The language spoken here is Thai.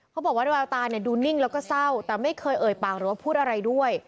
บอกว่าแววตาเนี่ยดูนิ่งแล้วก็เศร้าแต่ไม่เคยเอ่ยปากหรือว่าพูดอะไรด้วย